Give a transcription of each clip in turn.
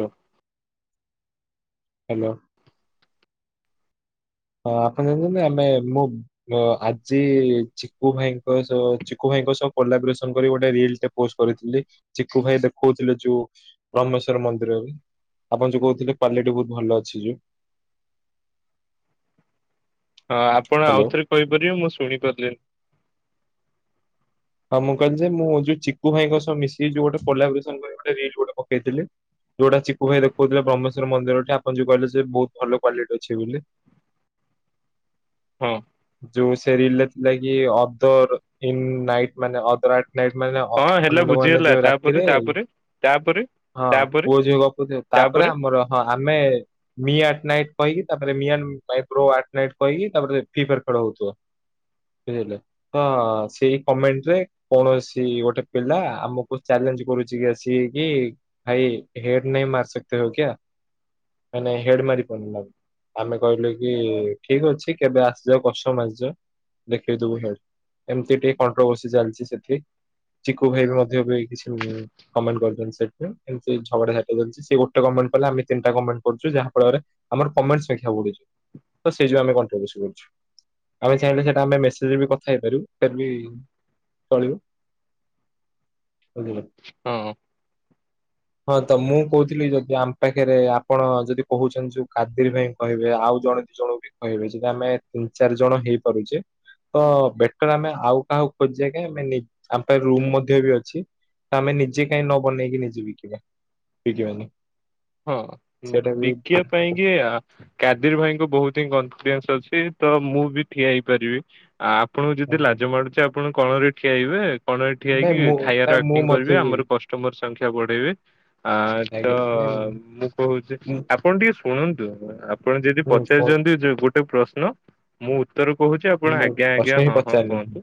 ଲୋ hello. ହ ଆପଣ ଜାଣିଛନ୍ତି ଆମେ ମୁଁ ଆଜି ଚିକୁୁ ଭାଇଙ୍କ ସହ ଚିକୁ ଭାଇ ତାଙ୍କ ସହ କୋଲାବରେସନ୍ କରି ଗୋଟେ ରିଲ୍ସ ଟେ ପୋଷ୍ଟ କରିଥିଲି। ଚିକୁ ଭାଇ ଦେଖଉଥିଲେ ଯୋଉ। [unintelligible] ମନ୍ଦିରରେ ଆପଣ ଯୋଉ କହୁଥିଲେ କ୍ୱାଲିଟି ବହୁତ ଭଲ ଅଛି ଯୋଉ। [inaudible] ହଁ, ଆପଣ ଆଉ ହ୍ୟାଲୋ ଥରେ କହିପାରିବେ ମୁଁ ଶୁଣି ପାରିଲିନି। ହଁ, ମୁଁ କହିଲି ଯେ ମୁଁ ଯୋଉ ଚିକୁୁ ଭାଇଙ୍କ ସହ ମିଶିକି ଯୋଉ ଗୋଟେ କୋଲବ୍ରେସନ କରିକି ଗୋଟେ ରିଲ୍ ପକେଇଥିଲି ଯୋଉଟା ଚିକୁ ଭାଇ ଦେଖଉଥିଲେ ବ୍ରହ୍ମେଶ୍ୱର ମନ୍ଦିରଠି, ଆପଣ ଯୋଉ କହିଲେ ସେ ବହୁତ ଭଲ କ୍ୱାଲିଟ ଅଛି ବୋଲି। ହଁ। ଯୋଉ ସେ ରିଲରେ ଥିଲା କି ଅଦର ଇନ ନାଇଟ୍ ମାନେ ଅଦର ଆ ନାଇଟ ମାନେ ହଁ ହେଲା ଅନ୍ୟ ଲୋକ ମାନେ ବୁଝିଗଲା ଯିବେ ତାପରେ ରାତିରେ ତାପରେ ତାପରେ ହଁ, ତାପରେ ପୁଅ ଝିଅ ଗପୁଥିବେ। ତାପରେ ଆମର ହଁ ଆମେ ମି ଆଟ ନାଇଟ୍ କହିକି ତାପରେ ମିଆ ପାଇଁ ପ୍ରୋ ଆଟ ନାଇଟ୍ କହିକି ତାପରେ ଫ୍ରୀ ଫାୟାର ଖେଳ ହଉଥିବ। [unintelligible] ହଁ ସେଇ କମେଣ୍ଟ ଯେ କୌଣସି ଗୋଟେ ପିଲା ଆମକୁ ଚ୍ୟାଲେଞ୍ଜ କରୁଛି କି ଆସ କି ଭାଇ ହେଡ ନେହିଁ ମାର ସକ୍ତେ ହୋ କ୍ୟା? ମାନେ ହେଡ଼ ମାରିପାରୁନି। ଆମେ କହିଲୁ କି ଠିକ ଅଛି କେବେ ଆସିଯାଅ [unintelligible] ଆସିଯାଅ। ଦେଖେଇଦବୁ ହେ ଏମିତି ଟିକେ କଣ୍ଟ୍ରୋଭର୍ସି ଚାଲିଛି ସେଠି। ଚିକୁ ଭାଇ ବି ମଧ୍ୟ ଏବେ କିଛି କମେଣ୍ଟ କରିଛନ୍ତି। ସେମତି ଝଗଡା ଝାଣ୍ଟି ସେ ଗୋଟେ କମେଣ୍ଟ। କଲେ ଆମେ ତିନିଟା କମେଣ୍ଟ କରୁଚୁ, ଯାହା ଫଳରେ ଆମର କମେଣ୍ଟେ ସଂଖ୍ୟା ବଢୁଛି। ତ ସେଇ ଯୋଉ ଆମେ ଆମେ କନ୍ତ୍ରିଭର୍ସି କରିଚୁ। ଆମେ ଚାହିଁଲେ ଆମେ ସେଇଟା ମେସେଜରେ କଥା ହେଇପାରିବୁ। ଫିର୍ ଭି ଚଳିବ। [unintelligible] ହଁ। [inaudible] ହଁ, ତ ମୁଁ କହୁଥିଲି ଯଦି ଆମ ପାଖରେ ଆପଣ ଯଦି କହୁଛନ୍ତି ଯୋଉ କାଦିର ଭାଇ କହିବେ ଆଉ ଜଣେ ଦିଇ ଜଣଙ୍କୁ ବି କହିବେ ଯଦି ଆମେ ତିନି ଚାରି ଜଣ ହେଇପାରୁଛେ ତ ବେଟର ଆମେ ଆଉ କାହାକୁ ଖୋଜିଆ କାଇଁ ଆମ ପାଖରେ ରୁମ୍ ମଧ୍ୟ ବି ଅଛି। ଆମେ ନିଜେ କାଇଁ ନ ବନେଇକି ନିଜେ ବିକିବା। ବିକିବାନି। ହଁ, ସେଇଟା ବି ବିକିବା ପାଇଁକି ଆ କାଦିର ଭାଇଙ୍କ ବହୁତ ହିଁ କନଫିଡିନ୍ସ ଅଛି। ତ ମୁଁ ବି ଠିଆ ହେଇପାରିବି। ଆଉ ଆପଣଙ୍କୁ ଯଦି ଆଜ୍ଞା ଲାଜ ମାଡୁଛି ଆପଣ କଣରେ ଠିଆହେବେ। କଣରେ ଠିଆ ନାଇଁ ହେଇକି ମୁଁ ଖାଇବାର ନାଇଁ ମୁଁ ଏକ୍ଟିଙ୍ଗ ମଧ୍ୟ କରିବେ। ବି ଆମର କଷ୍ଟମର ସଂଖ୍ୟା ବଢେଇବେ। ଆ ତ ଆଜ୍ଞା ନାଇଁ ମୁଁ କହୁଛି ମୁଁ ଆପଣ ଟିକେ ଶୁଣନ୍ତୁ। ଆପଣ ଯଦି ହୁଁ ପଚାରିଛନ୍ତି ଯେ ଗୋ ଗୋଟେ ପ୍ରଶ୍ନ ମୁଁ ଉତ୍ତର କହୁଛି ଆପଣ ମୁଁ ଆଜ୍ଞା ଆଜ୍ଞା ପ୍ରଶ୍ନ ହିଁ ହଁ ହଁ ପଚାରିନି କୁହନ୍ତୁ।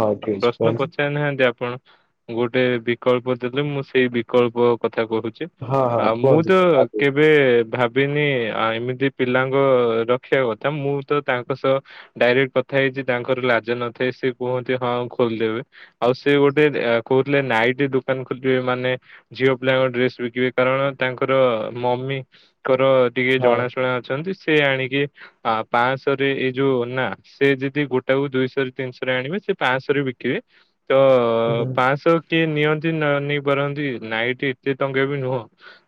ହଁ ଆଉ ଠିକ ଅଛି ପ୍ରଶ୍ନ କୁହନ୍ତୁ। ପଚାରି ନାହାନ୍ତି ଆପଣ? ଗୋଟେ ବିକଳ୍ପ ଦେଲେ ମୁଁ ସେଇ ବିକଳ୍ପ କଥା କହୁଛି। ହଁ ହଁ ଆଉ ମୁଁ କୁହନ୍ତୁ ତ ଆଗକୁ କେବେ ଭା ଭାବିନି ଏମିତି ପିଲାଙ୍କ ରଖିବା କଥା। ମୁଁ ତ ତାଙ୍କ ସହ ଡାଇରେକ୍ଟ କଥା ହେଇ ତାଙ୍କର ଲାଜ ନଥାଏ। ସେ କୁହନ୍ତି ହଁ ଖୋଲିଦେବେ। ଆଉ ସେ ଗୋଟେ କହୁଥିଲେ ନାଇଟ ଦୋକାନ ଖୋଲିବେ ମାନେ ଝିଅ ପିଲାଙ୍କ ଡ୍ରେସ ବିକିବେ। କାରଣ ତାଙ୍କର ମମିଙ୍କର ଟିକେ ହଁ ଜଣାଶୁଣା ଅଛନ୍ତି। ସେ ଆଣିକି ଆ ପାଞ୍ଚଶହରେ ଏଇ ଯୋଉ ନା ସେ ଯଦି ଗୋଟାକୁ ଦୁଇଶହରେ ତିନିଶହରେ ଆଣିବେ ସେ ପାଶହରେ ବିକିବେ। ତ ହୁଁ। ପାଞ୍ଚଶହ କିଏ ନିଅନ୍ତି ନ ନେଇ ପାରନ୍ତି। ନାଇଟ ଏତେ ଟଙ୍କା ବି ନୁହଁ।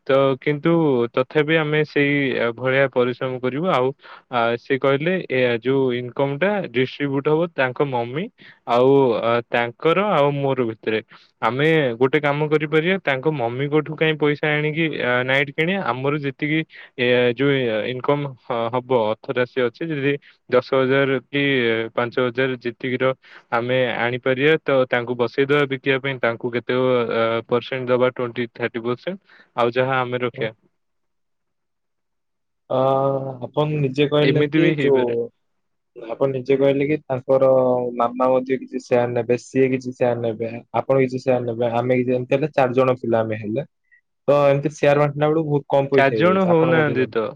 ତ କିନ୍ତୁ ତଥାପି ଆମେ ସେଇ ଭଳିଆ ପରିଶ୍ରମ କରିବୁ। ଆଉ ସେ କହିଲେ ଏ ଯୋଉ ଇନକମ ଟା ଡିଷ୍ଟ୍ରିବ୍ୟୁଟ ହବ ତାଙ୍କ ମମି ଆଉ ତାଙ୍କର ଆଉ ମୋର ଭିତରେ ଆମେ ଗୋଟେ କାମ କରିପାରିବା ତାଙ୍କ ମମିଙ୍କଠୁ କାଇଁ ପଇସା ଆଣିକି ନାଇଟ୍ କିଣିବା। ଆମର ଯେତିକି ଯୋଉ ଇନକାମ ହବ ଥରେ ଆସିଅଛି ଯଦି ଦଶ ହଜାର କି ପାଞ୍ଚ ହଜାର ଯେତିକି ର ଆମେ ଆଣିପାରି ବା ତ ତାଙ୍କୁ ବସେଇଦବା ବିକିବା ପାଇଁ ତାଙ୍କୁ କେତେ ପରସେଣ୍ଟ ଦବା ଟ୍ବେଣ୍ଟି ଥାର୍ଟି ପରସେଣ୍ଟ। ଆଉ ଯାହା ଆମେ ରଖିବା। ହଁ। ଆପଣ ନିଜେ କହିଲେ ଏମିତି କି ବି ହେଇପାରେ ଯୋଉ ଆପଣ ନିଜେ କହିଲେ କି ତାଙ୍କର ମାମା ମଧ୍ୟ କିଛି ସେୟାର ନେବେ ସିଏ କିଛି ସେୟାର ନେବେ ଆପଣ କିଛି ସେୟାର ନେବେ ଆମେ କି ଏମିତି ହେଲେ ଚାରି ଜଣ ଆମେ ହେଲେ ତ ଏମତି ସେୟାର ବାଣ୍ଟିଲା ବେଳକୁ କମ ପଇସା ଚାରି ଜଣ ହେଇଯାଉଛି ଆପଣ ମଧ୍ୟ ହଉନାହାନ୍ତି ତ ଜାଣନ୍ତି।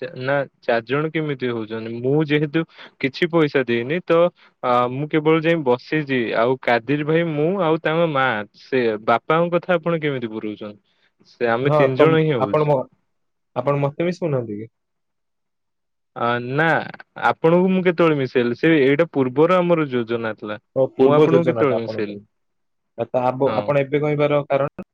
ଚା ନା ଚାରିଜଣ କେମିତି ହଉଛନ୍ତି ମୁଁ ଯେହେତୁ କିଛି ପଇସା ଦେଇନି ତ ଅ ମୁଁ କେବଳ ଯାଇ ବସିଛି ଆଉ କାଦିର ଭାଇ ମୁଁ ଆଉ ତାଙ୍କ ମା ସେ ବାପାଙ୍କ କଥା ଆପଣ କେମିତି ପୁରଉଛନ୍ତି ସେ ଆମେ ହଁ ତିନି ତ ଜଣ ହିଁ ଆପଣ ହଉଛୁ। ମ- ଆପଣ ମତେ ବି ଶୁଣନ୍ତି କି? ଆ ନା ଆପଣଙ୍କୁ ମୁଁ କେତେବେଳେ ମିଶେଇଲି ସେ ଏଇଟା ପୂର୍ବରୁ ଆମର ଯୋଜନା। ଥିଲା। ଓ ମୁଁ ପୂର୍ବ ଆପଣଙ୍କୁ କେତେବେଳେ ଯୋଜନାଟା ଆପଣ ମିଶେଇଲି ପାଇଁ। ତ ହଁ। ଆପଣ ଏବେ କହିବାର କାରଣ?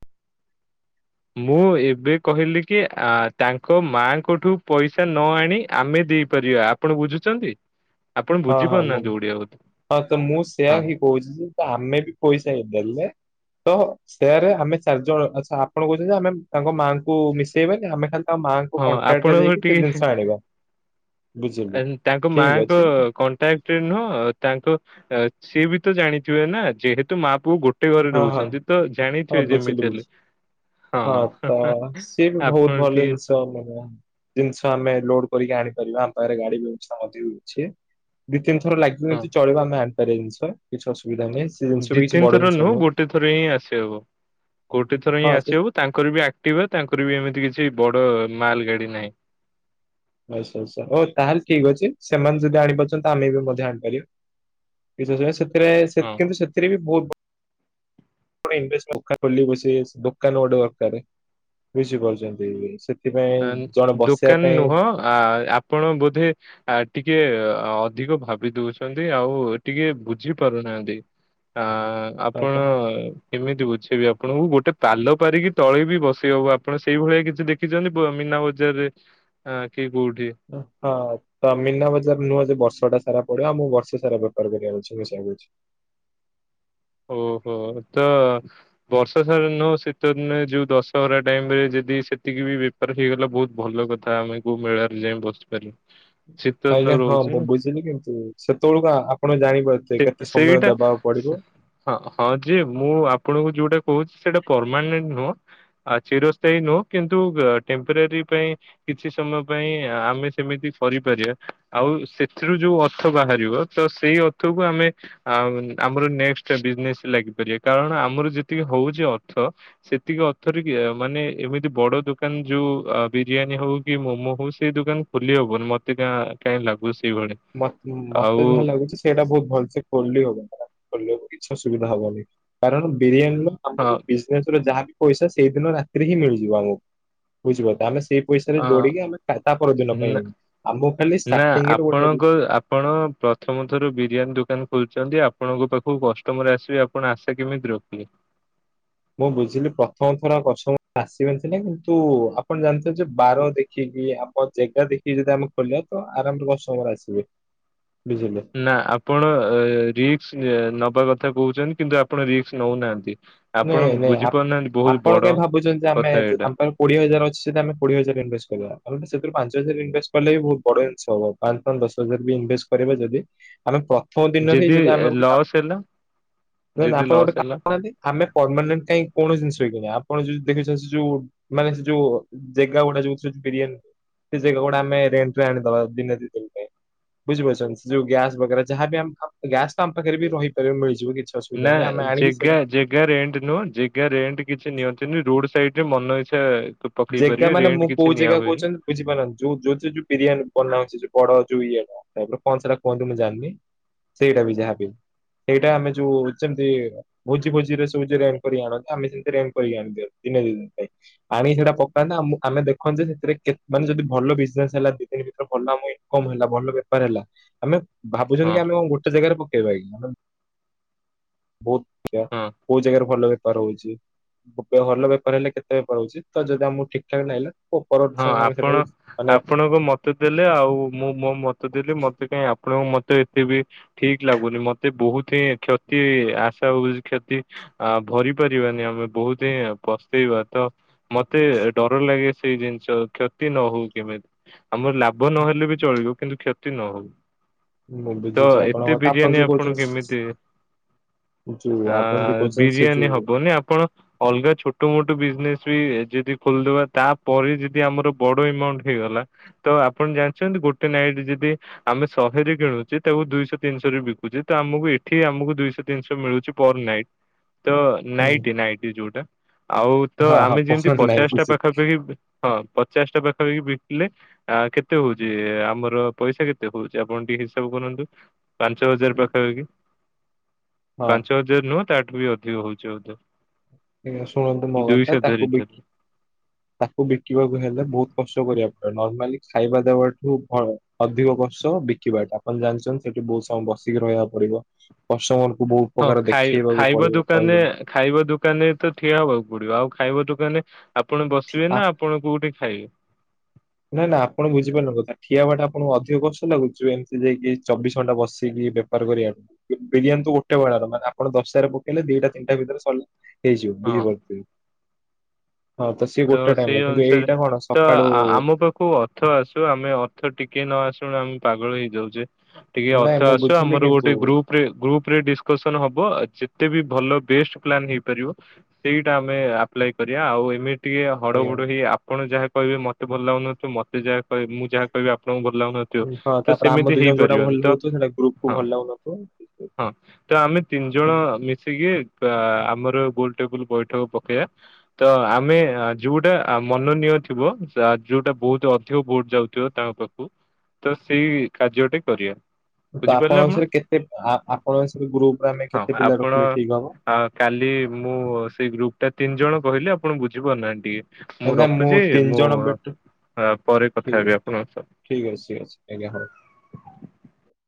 ମୁଁ ଏ ଏବେ କହିଲି କି ଆ ତାଙ୍କ ମାଆଙ୍କଠୁ ପଇସା ନ ଆଣି ଆମେ ଦେଇପାରିବା ଆପଣ ବୁଝୁଛନ୍ତି ଆପଣ ହଁ ହଁ ମୁଁ ବୁଝିପାରୁନାହାନ୍ତି ଓଡିଆ ବୋଧେ। ହଁ ତ ମୁଁ ସେୟା ହଁ। ହିଁ କହୁଛି ଯେ ଆମେ ବି ପଇସା ହେଇଦେଲେ ତ ସେୟାର ରେ ଆମେ ଚାରି ଜଣ ଆଛା ଆପଣ କହୁଛନ୍ତି ଆମେ ତାଙ୍କ ମାଆଙ୍କୁ ମିଶେଇବାନି ଆମେ ଖାଲି ଆ ମାଆଙ୍କୁ ହଁ କଣ୍ଟ୍ରାକ୍ଟରେ ଆପଣଙ୍କ ଯାଇକି ସେ ଟିକେ ଜିନିଷ ଆଣିବା ବୁଝିଲୁ। ତାଙ୍କ ଠିକ ମାଙ୍କ ଅଛି। [unintelligible] ନୁହଁ ତାଙ୍କ ସିଏ ବି ତ ଜାଣିଥିବେ ନା ଯେହେତୁ ମା ପୁ ଗୋଟେ ଘରେ ହଁ ହଁ ରହୁଛନ୍ତି ତ ହଁ ଜାଣିଥିବେ ବୁଝିଲି ଯେମିତି ହେଲେ। ବୁଝିଲି ହଁ ତ ସିଏ ବି ଆପଣ ବହୁତ ଭଲ ଟିକେ ଜିନିଷ ମାନେ। ଜିନିଷ ଆମେ ଲୋଡ କରିକି ଆଣିପାରିବା ଆମ ପାଖରେ ଗାଡି ବ୍ୟବସ୍ଥା ମଧ୍ୟ ଅଛି। ତିିନିଥର ଲାଗିବ ହଁ। କିଛି ଚଳିବା ଆମେ ଆଣିପାରିବା ଜିନିସ କିଛି ଅସୁବିଧା ନାହିଁ ସେ ଜିନିଷ ଦି ବି କିଛି ତିନି ବଡ ଥର ଜିନିଶ ନୁହଁ ଗୋଟେ ଥର ହିଁ ଆସିହବ। ଗୋଟେ ଥର ହିଁ ହଁ ସେ ଆସିିବୁ ତାଙ୍କର ବି ଆକ୍ଟିଭ ତାଙ୍କର ବି ଏମିତି କିଛି ବଡ ମାଲ ଗାଡି ନାହିଁ। ଆଚଛା ଆଚଛା ହ ତାହେଲେ ଠିକ ଅଛି ସେମାନେ ଯଦି ଆଣିପାରୁଛନ୍ତି ତ ଆମେ ବି ମଧ୍ୟ ଆଣିପାରିବା। [unintelligible] ସେଥିରେ ହଁ [unintelligible] ସେଥିରେ ବି ବହୁତ ପ [unintelligible] ଦୋକାନ ଗୋଟେ ଦରକାର ବୁଝି ପାରୁଛନ୍ତି। ଦୋକାନ ନୁହଁ ଆ ଆପଣ ବୋଧେ ଆ ଟିକେ ଅଧିକ ଭାବି ଦଉଛନ୍ତି ଆଉ ଟିକେ ବୁଝି ପାରୁନାହାନ୍ତି। ଆ ଆ ହଁ ଆପଣ ତ କେମିତି ବୁଝେଇବି ଆପଣଙ୍କୁ ଗୋଟେ ପାଲ ପାରିକି ତଳେ ବି ବସେଇ ହବ ଆପଣ ସେଇ ଭଳିଆ କିଛି ଦେଖିଛନ୍ତି। ମିନା ବଜାର ରେ ହଁ ତ ମିନା ବଜାର ନୁହଁ ଯେ ବର୍ଷଟା ସା ସାରା ପଡିବ ଆଉ ମୁଁ ବର୍ଷେ ସାରା ବେପାର କରିବାକୁ ଅଛି [unintelligible] ଓହୋ ତ ବର୍ଷ ସାରା ନହଉ ଶୀତ ଦିନେ ଯୋଉ ଦଶହରା ଟାଇମ ରେ ଜେ ଯଦି ସେତିକି ବି ବେପାର ହେଇଗଲା ବହୁତ ଭଲ କଥା ଆମେ କୋଉ ମେଳାରେ ଯାଇ ବସିପାରିବୁ। ଶୀତ ଦିନ ଆଜ୍ଞା ହଁ ରହୁଛି ମୁଁ ନା ବୁଝିଲି କିନ୍ତୁ ସେତେବେଳକୁ ଆପଣ ଜାଣିପରୁଥିବେ ସେ କେତେ ସମୟ ସେଇଟା ଦବାକୁ ପଡିବ? ହଁ ହଁ ଯେ ମୁଁ ଆପଣଙ୍କୁ ଯୋଉଟା କହୁଛି ସେଇଟା ପରମାନେଣ୍ଟ ନୁହଁ ଆଉ ଚିରସ୍ଥାୟୀ ନୁହଁ। କିନ୍ତୁ ଟେମ୍ପୋରାରୀ ପାଇଁ କିଛି ସମୟ ପାଇଁ ଆମେ ସେମିତି କରିପାରିବା ଆଉ ସେଥିରୁ ଯୋଉ ଅର୍ଥ ବାହାରିବ ତ ସେଇ ଅର୍ଥକୁ ଆମେ ଆମର ନେସ ବିଜନେସ ଲାଗିପାରିବା କାରଣ ଆମର ଯେତିକି ହଉଛି ଅର୍ଥ ସେତିକି ଅର୍ଥରେ କିଏ ମାନେ କେମିତି ବଡ ଦୋକାନ ଯୋଉ ବିରିୟାନୀ ହଉ କି ମୋମୋ ହଉ ସେଇ ଦୋକାନ ଖୋଲି ହବନି ମତେ କା ଟାଇ ଲାଗୁଚି। ମତେ ଯାହା ଲାଗୁଚି ସେଇଟା ବହୁତ ଭଲସେ ଖୋଲି ହବ। କିଛି ଅସୁବିଧା ହବନି କାରଣ ବିରିୟାନୀର ହଁ ଆମ ବିଜନେସ ର ଯାହା ପଇସା ସେଇଦିନ ରାତିରେ ହିଁ ମିଳିଯିବ ଆମକୁ ବୁଝିପାରିଲେ ଆମେ ସେଇ ପଇସାରେ ଯୋଡିକି ଆମେ ଟାଟା ପରଦିନ ହଁ ପାଇଁ ଆମକୁ ଖାଲି ନା ଷ୍ଟାର୍ଟିଂରେ ଗୋଟେ ଆପଣଙ୍କ ଆପଣ ପ୍ରଥମ ଥର ବିରିୟାନୀ ଦୋକାନ ଖୋଲୁଛନ୍ତି ଆପଣଙ୍କ ପାଖକୁ କଷ୍ଟମର ଆସିବେ ଆପଣ ଆସେ କେମିତି [inaudible] ମୁଁ ବୁଝିଲି ପ୍ରଥମ ଥର କଷ୍ଟମର ଆସିବେନି ସିନା କିନ୍ତୁ ଆପଣ ଜାଣି ଯେ ବାର ଦେଖିକି ଜେଗା ଦେଖିକି ଯଦି ଆମେ ଖୋଲିବା ତ ଆରାମରେ କଷ୍ଟମର ଆସିବେ। ବୁଝିଲେ ନା ଆପଣ ରିକ୍ସ ନବା କଥା କହୁଛନ୍ତି କିନ୍ତୁ ଆପଣ ରିକ୍ସ ନଉନାହାନ୍ତି। ଆପଣ ନାଇଁ ନାଇଁ ଆ ବୁଝିପାରୁନାହାନ୍ତି ବହୁତ ଆପଣ ବଡ କାଇଁ ଭାବୁଛନ୍ତି ଆମେ କଥା ଏଇଟା ତମ ପା କୋଡିଏ ହଜାର ଅଛି ସେଦି ଆମେ କୋଡିଏ ହଜାର ଇଭେଷ୍ଟ କରିବା। ଆମେ ସେଥିରୁ ପାଞ୍ଚ ହଜାର ଇନଭେଷ୍ଟ କଲେ ବି ବହୁତ ବଡ ଜିନିଷ ହବ ପାଞ୍ଚ ପାଞ୍ଚ ଦଶ ହଜାର ବି ଇନେଷ୍ଟ କରିବା ଯଦି ଆମେ ମ ଦିନ ହେଇ ଯଦି ଆମେ ଗୋଟେ କାମ ଲସ୍ ହେଲା ହ ଯଦି ଆପଣ ଗୋଟେ ଲସ୍ କାମ ହେଲା କରୁନାହାନ୍ତି ଆମେ ପରମାନେଟ କାଇଁ କୌଣସି ଜିନିଷ ହେଇକି ଆପଣ ଯୋଉ ଦେଖୁଛନ୍ତି ସେ ଯୋଉ ମାନେ ସେ ଯୋଉ ଜେଗା ଗୁଡା ଯୋଉ ରିୟାନ ସେ ଯେଗା ଗୁଡା ଆମେ ରେଟ୍ ରେ ଆଣିଦବା ଦିନେ ଦି ଦିନି ପାଇଁ ବୁଝିପାରୁଛନ୍ତି ଯୋଉ ଗ୍ୟାସ ବରା ଯାହା ବି ଗ୍ୟାସ ତ ଆମ ପାଖରେ ବି ରହିପାରିବ ମିଳିଯିବ କି ନା ଯେଗା ଯେ ଗା ରେଣ୍ଟ ନୁହଁ ଯେଗା ରେଣ୍ଟ କିଛି ନିଅନ୍ତି ନି ରୋଡ ସାଇଡ ରେ ମନ ଇଚ୍ଛା ପକେଇ ଯେଗା ପାରିବେ ମାନେ ରେଣ୍ଟ ମୁଁ କିଛି କୋଉ ନିଆ ଯେଗା ହୁଏନି କହୁଛନ୍ତି ବୁଝିପାରୁନାହାନ୍ତି ଯୋଉ ଯୋଉ ଯୋଉ ବିରିୟାନୀ ବନାଉଛି ଯୋଉ ବଡ ଯୋଉ ଇଆଟାଇପର କଣ ସେଟା କୁହନ୍ତି ମୁଁ ଜାଣିନି ସେଇଟା ବି ଯାହାବି ସେଇଟା ଆମେ ଯୋଉ ଯେମତି ଭୋଜି ଭୋଜିରେ ସବୁ ରେ କରି ଆଣନ୍ତି ଆମେ ସେମିତି ରେଣ କରିକି ଆଣି ଦିନେ ଦି ଦିନ ପାଇଁ ଅଣିକି ସେଟା କଣ ପାଇଁ ନା ଆମେ ଦେଖନ୍ତି ଯେ ସେଥିରେ ମାନେ ଯଦି ଭଲ ବିଜନେସ ହେଲା ଦି ଦିନି ଭିତରେ ଭଲ ଆମ ଇନକମ୍ ହେଲା ଭଲ ବେପାର ହେଲା ଆମେ ଭାବୁଛନ୍ତି ହଁ କି ଆମେ କଣ ଗୋଟେ ଜାଗାରେ ପକେଇବାକି ଆମେ ବହୁତ ହଁ। କୋଉ ଜାଗାରେ ଭଲ ବେପାର ହଉଛି ଭଲ ବେପାର ହେଲେ କେତେ ବେପାର ହଉଚି? ତ ଯଦି ଆମକୁ ଠିକ ଠାକ ଲାଗିଲା ହଁ ସମୟରେ ଆମେ ଆପଣ ସେଟାକୁ ମାନେ ଆପଣଙ୍କ ମତ ଦେଲେ ଆଉ ମୁଁ ମୋ ମତ ଦେଲି ମତେ କାଇଁ ଆପଣଙ୍କୁ ମତେ ଏତେ ବି ଠିକ ଲାଗୁନି ମତେ ବହୁତ ହିଁ କ୍ଷତି ଆଶା ହଉଛି କ୍ଷତି ଆ ଭରି ପାରିବାନି ଆମେ ବହୁତ ହିଁ ପସ୍ତେଇବା ତ ମତେ ଡର ଲାଗେ ସେଇ ଜିନିଷ କ୍ଷତି ନ ହଉ କେମିତି ଆମର ଲାଭ ନହେଲେ ବି ଚଳିବ କିନ୍ତୁ କ୍ଷତି ନ ହଉ। ମୁଁ ତ ବୁଝୁଛି ଆପଣଙ୍କ ଏତେ କଥା ବିରିୟାନୀ ଯୋଉ ଆପଣ କହୁଛନ୍ତି କେମିତି ଯୋଉ ଆ ଆପଣ ଯୋଉ କହୁଛନ୍ତି ସେ ବିରିୟାନୀ ଯୋଉ ହବନି ଆପଣ ଅଲଗା ଛୋଟ ମୋଟ ବିଜନେସ ଯଦି ଖୋଲିଦବା ତାପରେ ଯଦି ଆମର ବଡ ଏମାଉଣ୍ଟ ହେଇଗଲା ତ ଆପଣ ଜାଣିଛନ୍ତି ଗୋଟେ ନାଇଟ ଯଦି ଆମେ ଶହେରେ କିଣୁ ତାକୁ ଦୁଇଶହ ତିନିଶହରେ ବିକୁଛେ ତ ଆମକୁ ଏଠି ଆମକୁ ଦୁଇଶହ ତିନିଶହ ମିଳୁଛି ପର ନାଇଟ୍। ତ ହୁଁ ନାଇଟି ନାଇଟି ଯୋଉଟା। ଆଉ ତ ହଁ ହଁ ଆମେ ଯେମିତି ପସନ୍ଦ ନାଇଁ ପଚାଶ ଟା ବୁଝିଲି। ପାଖାପାଖି ହଁ ପଚାଶଟା ପାଖାପାଖି ବିକିଲେ ଆ କେତେ ହଉଛି ଆମର ପଇସା କେତେ ହଉଛି ଆପଣ ଟିକେ ହିସାବ କରନ୍ତୁ। ପାଞ୍ଚ ହଜାର ହଁ ପାଖାପାଖି କିି ପାଞ୍ଚ ହଜାର ନୁହଁ ତାଠୁ ବି ଅ ଅଧିକ ହଉଛି ବୋଧେ। ଏ ଶୁଣନ୍ତୁ ମୋ କଥା ଦୁଇଶହ ଧରି ତାକୁ ବି ଧରି ବିକିବାକୁ ହେଲେ ବହୁତ କଷ୍ଟ କରିବା ପ ନର୍ମାଲି ଖାଇବା ଦେବାଠୁ ଅଧିକ ବର୍ଷ ବିକିବାଟା ଆପଣ ଜାଣିଛନ୍ତି ସେଠି ବହୁତ ସମୟ ବସି ରହିବାକୁ ପଡିବ କଷ୍ଟ ହଁ ଖାଇ ଖାଇବା ଦୋକାନରେ ଖାଇବା ଦୋକା ଦୋକାନ ରେ ତ ଠିଆ ହେବାକୁ ପଡିବ ଆଉ ଖାଇବ ଦୋକାନରେ ଆପଣ ବସିବେ ନା ଆପଣ କୋଉଠି ଖାଇବେ? ନାଇଁ ନା ଆପଣ [unintelligible] ବୁଝିପାରୁନ କଥା ଠିଆ ହବା ଟା ଆପଣଙ୍କୁ ଅଧିକ କଷ୍ଟ ଲାଗୁଚି ଏମିତି ଯାଇକି ଚବିଶ ଘଣ୍ଟା ବସିକି ବେପାର କରିବା ବିରିୟାନୀ ତ ଗୋଟେ ଵେଳାର ମାନେ ଆପଣ ଦଶଟାରେ ପକେଇଲେ ଦିଟା ତିନିଟା ଭିତରେ ସରିଲା ହେଇଯିବ [unintelligible] ହଁ। ବିଝ ପାରୁଛନ୍ତି। ତ ସେଇ କିନ୍ତୁ ଅନୁସାରେ ଏଇଟା କଣ ତ ସକାଳୁ ଆମ ପାଖ ଖୁବ ଅର୍ଥ ଆସୁ ଆମେ ଅର୍ଥ ଟିକେ ନ ଆସୁୁ ଆମେ ପାଗଳ ହେଇଯାଉଛେ। ଟିକେ ନାଇଁ ଅର୍ଥ ମୁଁ ଆସୁ ବୁଝିଲି ଆମର କିନ୍ତୁ ଗୋଟେ ଗ୍ରୁପ ରେ ଗ୍ରୁପ ରେ ଡିସକସନ ହବ ଯେତେ ବି ଭଲ ବେଷ୍ଟ ପ୍ଲାନ୍ ହେଇପାରିବ ସେଇଟା ଆମେ ଆପ୍ଲାଏ କରିବା ଆଉ ଏମିତି ଟିକେ ହଡ଼ ଏଇଆ ବଡ଼ ହେଇ ଆପଣ ଯାହା କହିବେ ମତେ ଭଲ ଲାଗୁନଥିବ, ମତେ ଯାହା କହିବ ମୁଁ ଯାହା କହିବି ଆପଣଙ୍କୁ ଭଲ ଆଲାଓ ହଁ ନଥିବ ତାପରେ ଆମ ସେମିତି ଦି ଜଣ ଯୋଉଟା ହେଇପାରିବି ଭଲ ତ ହଉଥିବ ସେଇଟା ଗ୍ରୁପ କୁ ହଁ ଭଲ ଲାଗୁନଥିବ ହଁ ତ ଆମେ ତିନି ଜଣ ମିଶିକି ତ ଆମର ଗୋ ଟେବୁଲ ବୈଠକ ପକେଇବା ତ ଆମେ ଯୋଉଟା ମନନୀୟ ଥିବ ଯୋଉଟା ବହୁତ ଅଧିକ ଭୋଟ ଯାଉଥିବ ତାଙ୍କ ପାଖକୁ ତ ସେଇ କାର୍ଯ୍ୟଟେ କରିବା। ତ ବୁଝିପାରିଲେ ଆପଣ ଆପଣଙ୍କଷୟରେ କେତେ ଆପଣଙ୍କଷୟରେ ଗ୍ରୁପରେ ଆମେ ହଁ କେତେ ପିଲା ଆପଣ ରଖିଲେ ଠିକ ହବ? ଆ କାଲି, ମୁଁ ସେଇ ଗ୍ରୁପ ଟା ତିନି ଜଣ କହିଲି ଆପଣ ବୁଝିପାରୁନାହାନ୍ତି ଟିକେ ମୁଁ ନା ରଖୁଛି ତିନି ମୁଁ ଜଣ ବେଟର ହ ପରେ କଥା ହେବି ଠିକ ଆପଣଙ୍କ ସହ ହଁ [inaudible]